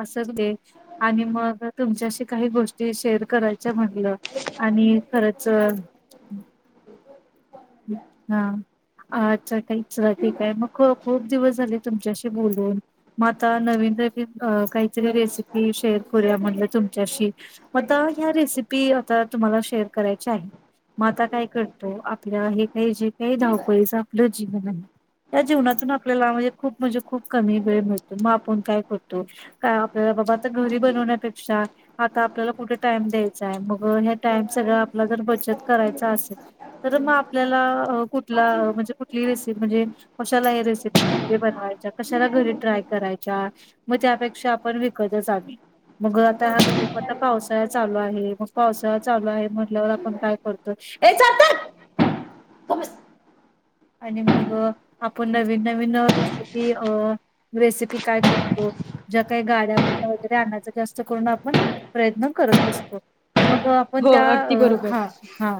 असच ते आणि मग तुमच्याशी काही गोष्टी शेअर करायच्या म्हणलं आणि खरंच, हां. अच्छा ताई सगळं ठीकय ना. खूप खूप दिवस झाले तुमच्याशी बोलून म आता नवीन काही तरी अ काहीतरी रेसिपी शेयर करूया म्हणलं तुमच्याशी म आता ह्या रेसिपि आता तू मला शेयर करायची आहे. म आता काय करते आप हे आहे काही जे काही धावपळीचं आपलं जीवन आहे. या जीवनातून आपल्याला म्हणजे खूप म्हणजे खूप कमी वेळ मिळतो. म आपण काय करतो. तो काय आपल्याला बाबा आता घरी बनवण्या पेक्षा आता आपल्याला कुठे टाईम द्यायचाय मग टाईम सगळा आपला जर बचत करायचा असेल तर म आपल्याला अ कुठला म्हणजे कुठली रेसिपी म्हणजे कशाला हे रेसिपी बनवायच कशाला घरी ट्राय करायच्या. मग त्यापेक्षा आपण विकतच आणुया मग आता पावसाळा चालू आहे मग पावसा [unintelligible] आणि मग आपण नवीन नवीन रेसिपी अ रेसिपी काय करतो. ज्या काही गाड्या वगैरे आणायचा जास्त करून आपण प्रयत्न करत असतो. मग आपण त्या हा हा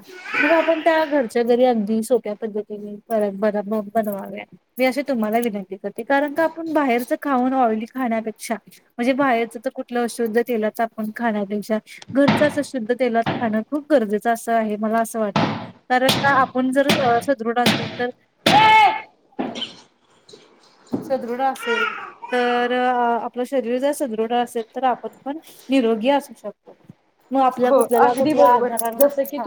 मग आपण त्या घरच्या घरी अगदी सोप्या पद्धतीने बन बनवाव्या मी अशी तुम्हाला विनंती करते. कारण का आपण बाहेरच खा ऑईली खाण्यापेक्षा म्हणजे बाहेरच तर कुठल अशुद्ध तेलाचं आपण खाण्यापेक्षा घर तसं शुद्ध तेलात खाणं खूप गरजेचं असं आहे मला असं वाटतय. कारण काय आपण जर सदृढ असेल तर ए सदृढ असेल तर आपलं शरीर जर सुदृढ असेल तर आपण पण निरोगी असू शकतो. मग आपल्या कुठल्याना कुठल्या आजारावर हा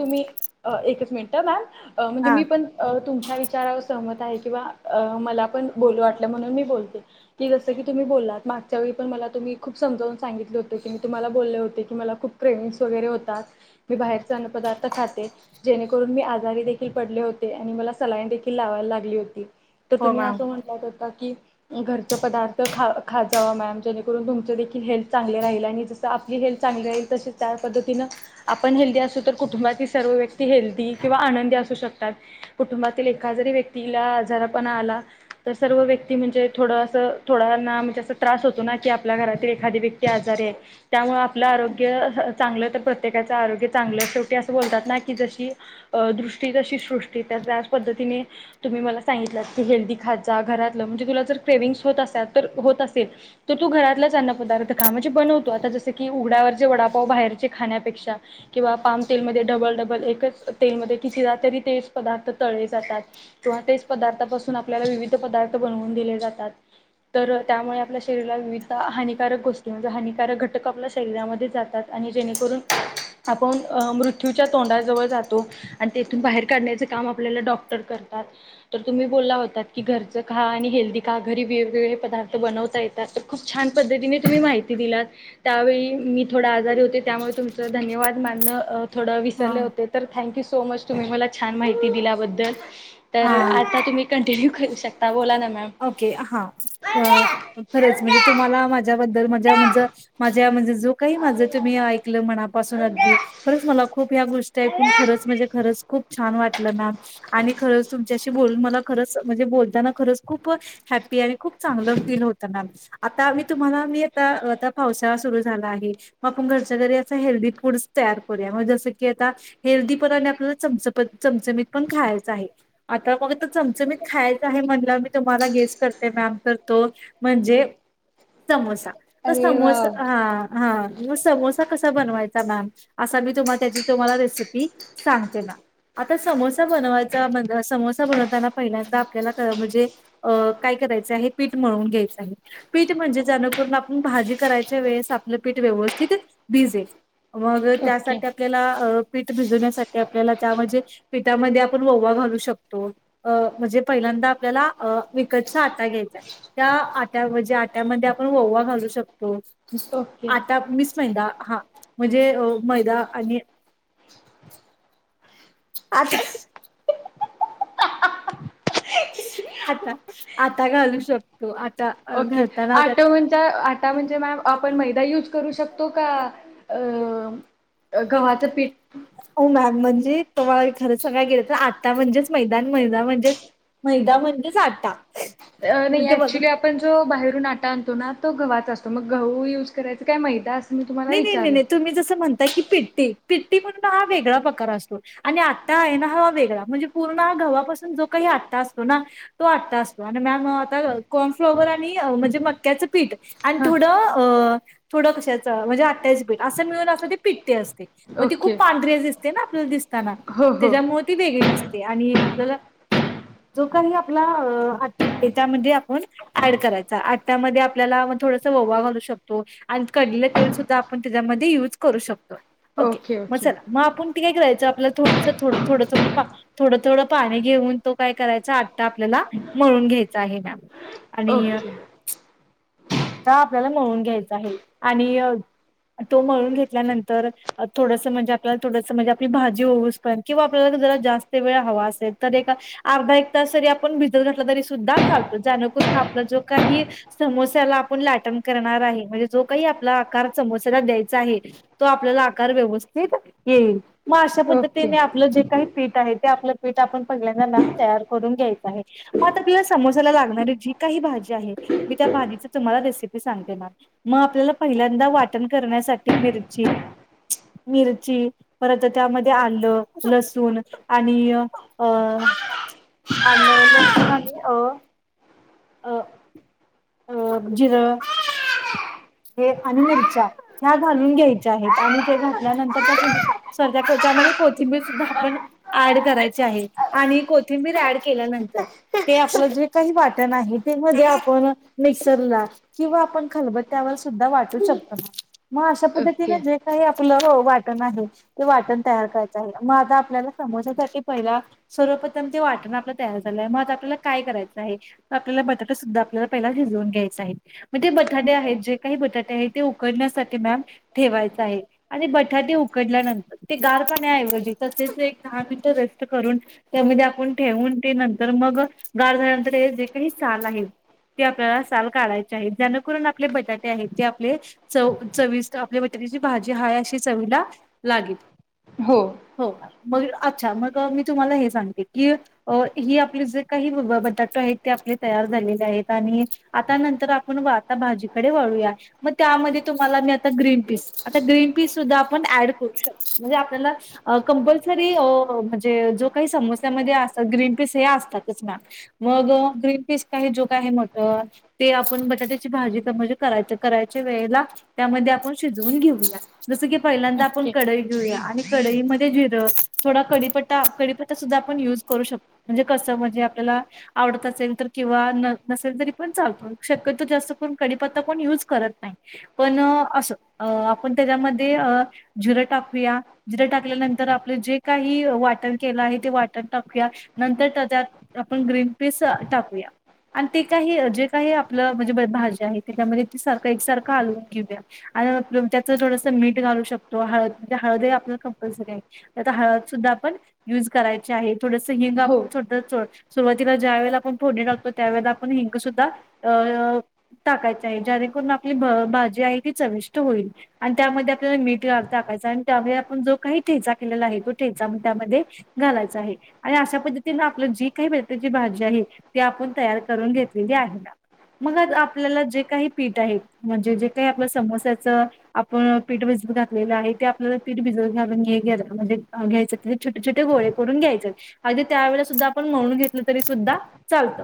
म्हणजे मी पण तुमच्या विचारावर सहमत आहे. किंवा मला पण बोलू वाटल म्हणून मी बोलते की जस की तुम्ही बोललात ना त्यावेळी पण मला तुम्ही खूप समजाऊन सांगितले होत की तुमला बोलले होते मला खूप फ्रेंडस वगैरे होतात मी बाहेरचे अन्न पदार्थ खाते. जेणेकरून मी आजारी देखील पडले होते आणि मला सलाईन देखील लावायला लागली होती. तर तुम्ही असं म्हणतात होता की घरचे पदार्थ ख खावत जावा. म्हणजे जेणेकरून तुमचे देखील हेल्थ चांगले राहील आणि जस आपली हे चांगलं येईल तस त्या पद्धतीनं आपण हेल्दी असू तर कुटुंबातील सर्व व्यक्ती हेल्दी किंवा आनंदी असू शकतात कुटुंबातील एका जरी व्यक्तीला आजारपणा आला तर सर्व व्यक्ती म्हणजे थोडंसं पण त्याचा त्रास होतो ना की आपल्या घरातील एखादी व्यक्ती आजारी आहे त्यामुळे आपल आरोग्य आहह चांगलं तर प्रत्येकाच आरोग्य चांगलं शेवटी अस बोलतात ना की जशी दृष्टी जशी सृष्टी. त्या पद्धतीने तुम्ही मला सांगितल की हेल्दी खात जा घरातलं म्हणजे तुला जर क्रेविंग् होत असतात होत असेल तर तू घरातला अन्न पदार्थ खा म्हणजे बनवतो आता जस की उघड्यावरचे वडापा प बाहेरचे खाण्यापेक्षा किंवा पाम तेलमध्ये डबल डबल एकच तेलामध्ये किती वेळा तरी ते पदार्थ तळले जातात किंवा तेच पदार्थापासून आपल्याला विविध पदार्थ बनवून दिले जातात तर त्यामुळे आपल्या शरीराला विविध हानिकारक गोष्टी म्हणजे हानिकारक घटक आपल्या शरीरामध्ये जातात. आणि जेणेकरून आपण मृत्यूच्या तोंडाजवळ जातो आणि तेथून बाहेर काढण्याच काम आपल्याला डॉक्टर करतात तर तुम्ही बला की घरचं का आणि हेल्दी का घरी वेगवेगळे पदार्थ बनवता येतात तर खूप छान पद्धतीने तुम्ही माहि त्या मी थ होमुळे तु धन्यवाद मा थो विसरले होते तर थक्यू सो मच तुम्ही मला छान माहिती दिल्याबद्दल तर आता तुम्ही कंटिन्यू ओके हा खरच म्हणजे तुम्हाला माझ्याबद्दल मा मा म्हण का मा मी ऐकलं मपासून अगदी खरंच मला खूप ह गोी खरच म्हणजे खरच खप छान वाट तुमशी ब म ख ब ना खरंच खूप हॅप्पी आणि खूप चांगलं फील होताना आता मी तुम्हाला मी आता आ पावसाळा सुरू झाला आहे म आपण घरच्या घरी अस हेल्दी फूड करू जस की आता हेल्दीीपणाने आपल्याला च चमचमीत पण खायचं आहे आता मग तर चमच मी खायच म्हणलं मी तुम्हाला गेस करते मॅम करतो म्हणजे समो समो समो कसा बनवायचा अस मी तुम्हाला त्याची तुम्हाला रेसिपी सांगते ना आता समोसा बनवायचा म्हण समोसा बनवताना पहिल्यांददाा ला म्हणजे अ काय करायचं आहे प्ीठ म्हळवून घ्यायचं आहे पीठ म्हणजे जणेकरून आपण भाजी करायच्या वेळेस आपलं पीठ व्यवस्थित भिजेल मग त्यासाठी आपल्याला पीठ भिजवण्यासाठी आपल्याला त्या म्हणजे पिठामध्ये आपण ववा म्हू शकतो म्हणजे पहिल्यांदा आपल्याला विकत आटा घ्यायचा त्या आ ण आ आपण व घाू शकतो आण मैदा आ आता आता घालू शकतो आता ओके आटो म्हणज आटा म्हणजे मॅम आपण मैदा यूज करू शकतो का अ गव्हाचं पीठ हो मॅम म्हणजे तुम्हाला खरं सगळ गेलं तर आता म्हणजेच मैदान मैदा म्हणजेच चुली आपण जो बाहेरून आटा आणतो ना तो गव्हावाचा असतो मग गहू युज करायचा काय मैदा असतो नाही नाही नाही नाही तुम्ही जसं म्हणता की पिट्टी पिट्टी म्हणून हा वेगळा प्रकार असतो आणि आ ह वे म्हणजे पूण ह गवापून जो काही असतो ना तो आ असतो कॉर्नफ्लॉवर म्हणजे मचं पीठ थोड थोड क म्हणजे हत्याची पीठ अस मिळून अस ते पिट्टते असते मग त खूप पांढरी्या दिसते ना आपल्याला दिसताना त्याच्यामुळे त वेगळी असते आणि आपल्याला जो काही आपला हट्ट आहे त्यामध्ये आपण ऍड करायचा आटामध्ये आपल्याला म थोडस ववा घालू शकतो आणि क तिळ आपण त्याच्या मध्ये युज करू शकतो ओके मग चलाआपण ठीक रायचं आपूण थोडस थोडं थोडं थोडं थोडं थोड पाणी घेऊन तो काय करायचा आटा आपल्याला मळून घ्यायचा आहे आणि आटा आपल्याला मळून घ्यायच आहे आणि तो मळून घेतल्यानंतर थोडसं म्हणजे आपल्याला थोडस म्हणजे आपली भाजी होऊच प किंवा आपल्याला जरा जास्त वेळ हवा असेल तर एका अर्धा एक तास तरी आपण भिजत घालत तरी सुद्धा चालत त्यानंतर आपला जो काही समोस्याला आपूण लाटण करणार आहे म्हणजे जो काही आकार समोस्याला द्यायचा आहे तो आपल्याला आकार व्यवस्थित येईल मग अशा पद्धतीने आपल जे काही पीठ आहे. ते आपल पीठ आपन पहिल्यांदा तयार करून घायच आहे म आता मसाला लागणारी जी काही भाजी आहे. मी त्या भाजीची तुम्हाला रेसिपी सांगते आहे मग आपल्याला पहिल्यांदा वाटण करण्यासाठी मिरची मिरची परत त्यामध्ये आलं लसूण आणि अ आणि हो अ अ.... ह आणि मिरच्या ह्या घालून घ्यायच्या आहेत आणि ते घातल्यानंतर सर्ध्याच्यामध्ये कोथिंबीर सुद्धाआपण ॲड करायची आहे आणि कोथिंबीर ॲड केल्यानंतर ते जे काही वाट नाही ते म्हणते आपण मिक्सरला किंवा आपण खलबत्यावर सुद्धा वाटू शकतो ना मग अशा पद्धतीने जे काही आपलं वाटण आहे ते वाटण तयार करायचं आहे मग आता आपल्याला समोसासाठी पहिला सर्वप्रथम ते वाटण आपलं तयार झालंय मग आपल्याला काय करायचं आहे आपल्याला बटाटे सुद्धा आपल्याला पहि शिजवून घ्यायचे आहेत मग ते बटाटे आहेत जे काही बटाटे आहेत ते उकड ठेवा आणि बटाटे उकडल्यानंतर ते गार पा ऐवजी मि रेस् करून त्या आप ठेंतर ग झाल्या काही चाल आहे ते आपल्याला साल काढायचे आहेत ज्याणेकरून आपले बटाटे आहेत ते आपले च चवीस आपले बट भाजी हा अशी चवीला लागेल हो मग अच्छा मग मी तुम्हाला हे सांगते की ही आपली जे काही ह बबा बद त्या तो आहे ते आपले तयार झालेले आहेत आणि आता नंतर आपण आता भाजीकडे वळूया मग त्यामध्ये तुम्हाला मी आता ग्रीन पीस आता ग्रीन सुद्धा आपण ॲड करू शकतो. म्हणजे आपल्याला तरी अ.. म्हणजे जो काही समोस्यामध्ये अस ग्रीन पीस असतात मॅडम मग ग्रीन फिश काही जो काय आहे मटर ते आपण बटाट्याची भाजी म्हणजे करायच करायच्या वेळेला त्यामध्ये आपण शिजून घेऊया जस की पहिल्यांदा आपण कडई घेऊया आणि कडईमध्ये जिरं थोड कड़ी कढीपत्ता कढीपत्तासुद्धा आपण युज करू शकतो. म्हणजे कस म्हणजे आपल्याला आवड असल तर किंवा नसेल तरी पण चालतो शक्यतो जास्त कर कडीपत्ता कोण युज करत नाही पण अस आपण त्याच्यामध्ये झिरं टाकूया झिरं टाकल्यानंतर आप जे काही वाटण केलं आहे ते वाटण टाकूया नंतर त्याच्यात आपण ग्रीन पिस टाकूया आणि ते काही जे काही आपलं म्हणजे भाजी आहे त्याच्यामध्ये सारखं एकसारखं हलवून घेऊया आणि त्याचं थोडस मीठ घालू शतो हळद म्हणे हळद आपल्याला कंपल्सरी आहे तर हळद सुद्धा आपण युज करायचे आहे थोडस हिंग आपण छोट चोट ज्या व आपण फोडी टाकतो त्या आपण हिंक सुधा टाकाय ज्याणेकरून जी भाजी आहे ती चवीष्ट होईल आणि त्यामध्ये आपल्याला मीठ टाकायच त्यामुळे आप जो काही ठेचा केलेला आहे तो ठेचाण त्यामध्ये घालायचा आहे आणि अशा पद्धतीन आपल जी काही त्याची भाजी आहे ती आपण तयार करून घेतलेली आहे ना मग आज आपल्याला जे काही पीठ आहे म्हणजे जे काही आपलं समोस्याच आपण पीठ भि जत घातलेला आहे ते आपल्याला पीठ भिजत घालून घे घ्यायच म्हणजे छोट छोट गोळे करून घ्यायच अगदी त्यावेळेस सुद्धा आपण म्हळुन घेतलं तरी सुद्धा चालत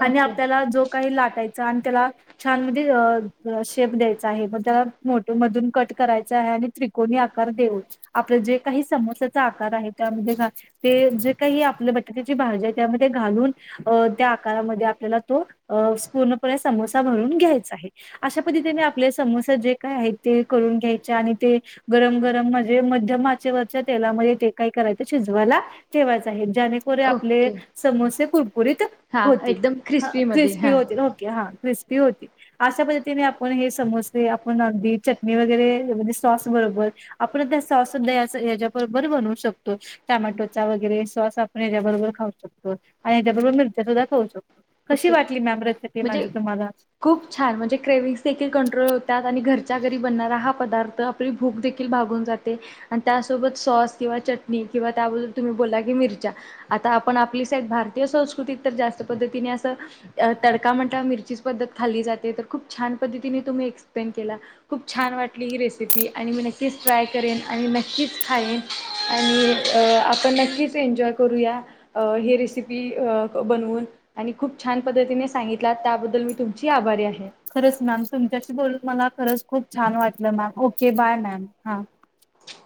आणि आपल्याला जो काही लाटाय चा तेला छान मदे अ अद शेप द्यायचा आहे मग तेला मदुन मदुन कट करायच हाय त्रिकोनी आकार देऊन आपल जे काही समोश्याचा आकार आहे त्यामध्ये घाल ते जे काही आपली बटाट्याची भाजी ती त्यामध्ये घालून अ त्या आकारामध्ये आपल्याला तो अ स्पूर्णपणे समोसा भरून घ्यायचाय अशा पद्दतीने आपले समोसे जे काय ते करून घ्यायचे आणि ते गरम गरम मद मध्यम आचेवरच्या तेलामध्ये ते कराल शिजवायला ठेवायचं आहे ज्याणेकोर आपले समोसे कुरकुरीत होती ख्रिस्पी होतील होके हा ख्रिस्पी होती अशा पद्धतीने आपण हे समोसे आपण अगदी चटणी वगैरेे म्हणजे सॉस आपण आता साॅस सुध्दा याच हेजाबरबर बनवु शकतोय टॅमॅटोचा वैगेरे साॅस आपण हेज्या बरबर खाऊ शकत आणि हेज्याबरबर मिरच्या सुद्धा खऊ शकतो कशी वाटली मॅम रेसिपि माझी तुम्हाला? घरच्या घरी बन्नारा हा पदार्थ आपली भूक देखिल भागून जाते आण त्यासोबत साॅस किंवा चटणी किंवा त्याबदली तुम्ही बोला की मिरच्या आता आपण आपली साईड भारतीय संस्कृतीत तर जास्त पद्धतीने अस अ तडका म्हटल्याव मिरची पद्धत खाल्ली जाते तर खूप छान पद्धतीने तुम्ही एक्सपेन केला खूप छान वाटली ही रेसिपी आणि मी नक्कीच ट्राय करेन आणि नक्कीच खाईन आणि अ आपण नक्कीच एन्जॉय करूया अ ही रेसिपी अब बनवुन आणि खूप छान पद्धतीने सांगितलात त्याबद्दल मी तुमची आभारी आहे खरंच मॅम तुमच्याशी बोलून मला खरंच खूप छान वाटलं मॅम ओके बाय मॅम हा [inaudible]